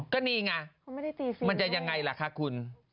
ก็นี่ไงมันจะยังไงล่ะคะคุณ